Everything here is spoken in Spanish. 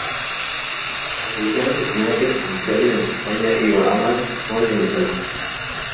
Las relaciones económicas y comerciales entre España y Bahamas son limitadas.